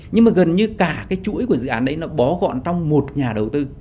nhưng mà gần như cả cái chuỗi của dự án đấy nó bó gọn trong một nhà đầu tư